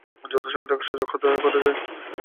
যথাসময়ে তাকে সজাগ করে দেয়।